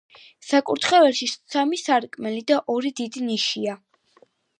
საკურთხეველში სამი სარკმელი და ორი დიდი ნიშია.